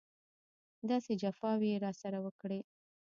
داسې جفاوې یې راسره وکړې.